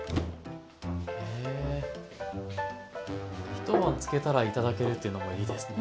一晩漬けたら頂けるっていうのもいいですね。